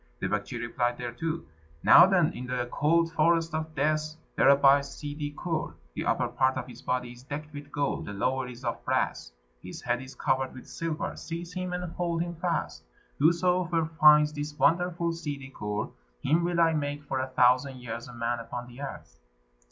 The Baktschi replied thereto, "Now, then, in the cold Forest of Death there abides Ssidi Kur; the upper part of his body is decked with gold, the lower is of brass, his head is covered with silver. Seize him and hold him fast. Whosoever finds this wonderful Ssidi Kur, him will I make for a thousand years a man upon the earth."